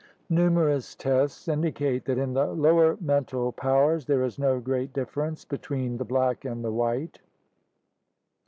Numerous tests indicate that in the lower mental powers there is no great difference between the black and the white.